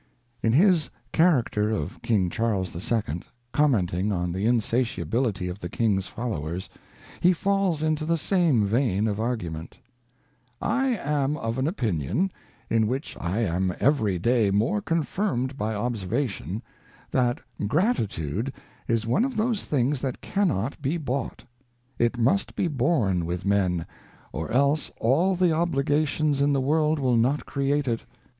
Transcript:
In his Character of King Charles II, commenting on the insatiability of the King's followers, he falls into the same vein of argument :' I am of an Opinion, in which I am every Day more confirmed by Observation, that Gratitude is one of those things that cannot be bought. It must be born with Men, or else all the Obligations in the World will not create it.